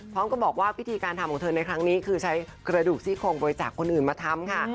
พร้อมกับบอกว่าพิธีการทำของเธอในครั้งนี้คือใช้กระดูกซี่โครงบริจาคคนอื่นมาทำค่ะ